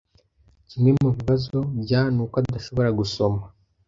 Kimwe mubibazo bya nuko adashobora gusoma.